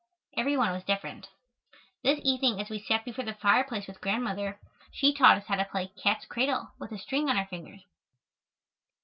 Every one was different. This evening as we sat before the fire place with Grandmother, she taught us how to play "Cat's Cradle," with a string on our fingers.